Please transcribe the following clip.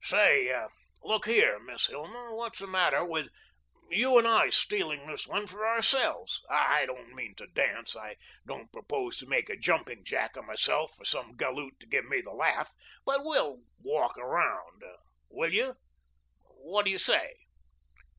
"Say! look here, Miss Hilma. What's the matter with you and I stealing this one for ourselves? I don't mean to dance. I don't propose to make a jumping jack of myself for some galoot to give me the laugh, but we'll walk around. Will you? What do you say?"